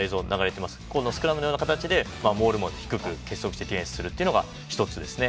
スクラムのような形でモールも低く結束するのが１つですね。